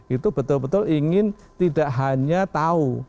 itu betul betul ingin tidak hanya tahu